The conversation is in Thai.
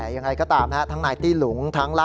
จะต่อ